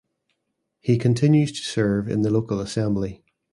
He continues to serve in the local assembly.